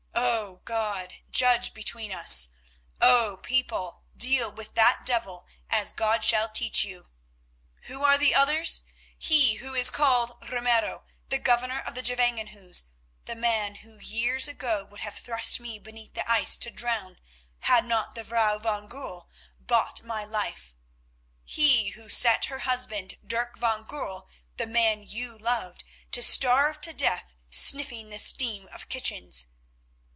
O God, judge between us. O people, deal with that devil as God shall teach you. "Who are the others? He who is called Ramiro, the Governor of the Gevangenhuis, the man who years ago would have thrust me beneath the ice to drown had not the Vrouw van Goorl bought my life; he who set her husband, Dirk van Goorl, the man you loved, to starve to death sniffing the steam of kitchens.